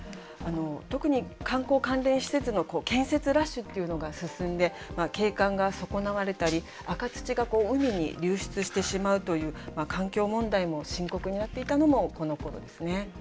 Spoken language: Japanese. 特に観光関連施設の建設ラッシュっていうのが進んで景観が損なわれたり赤土が海に流出してしまうという環境問題も深刻になっていたのもこのころですね。